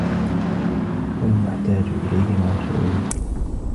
وَالْمُحْتَاجَ إلَيْهِ مَوْصُولٌ